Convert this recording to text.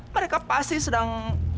mereka pasti sedang